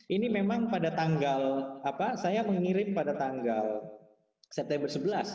ini memang pada tanggal apa saya mengirim pada tanggal september sebelas